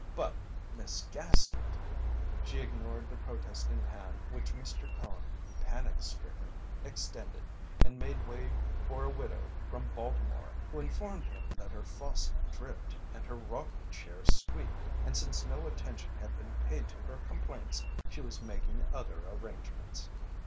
"But, Miss Gaskett " She ignored the protesting hand which Mr. Cone, panic stricken, extended, and made way for a widow from Baltimore, who informed him that her faucet dripped and her rocking chair squeaked, and since no attention had been paid to her complaints she was making other arrangements.